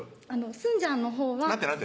すんじゃんのほうは何て？